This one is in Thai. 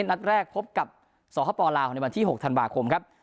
และนัดแรกพบกับสธปอลาวในวันที่๖ธันวาคม